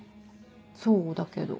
そうだけど。